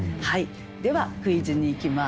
ではクイズにいきます。